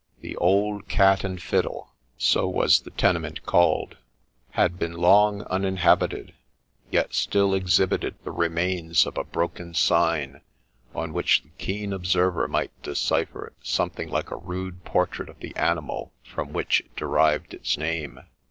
The ' Old Cat and Fiddle '— so was the tenement called — had been long uninhabited ; yet still exhibited the remains of a broken sign, on which the keen observer might decipher something like a rude portrait of the animal from which it derived its name.